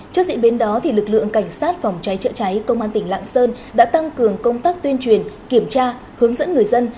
trước diễn biến đó lực lượng cảnh sát phòng cháy chữa cháy công an tỉnh lạng sơn đã tăng cường công tác tuyên truyền kiểm tra hướng dẫn người dân